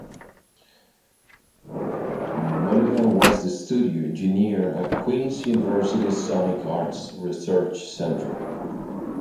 Monaghan was the studio engineer at Queen’s University’s Sonic Arts Research Centre.